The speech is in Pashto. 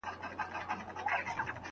د لويي جرګې په اړه شعر څوک وایي؟